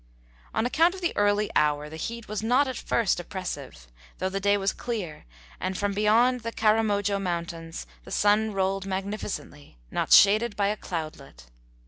On account of the early hour, the heat was not at first oppressive, though the day was clear and from beyond the Karamojo Mountains the sun rolled magnificently, not shaded by a cloudlet.